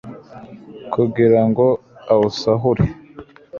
kugira ngo awusahure